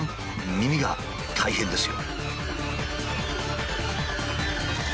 耳が大変ですよ。